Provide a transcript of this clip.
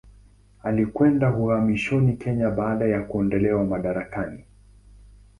Alikwenda uhamishoni Kenya baada ya kuondolewa madarakani.